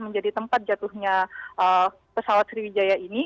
menjadi tempat jatuhnya pesawat sriwijaya ini